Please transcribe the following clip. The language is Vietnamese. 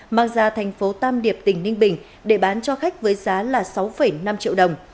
mang ra thành phố tam điệp tỉnh ninh bình để bán cho khách với giá là sáu năm triệu đồng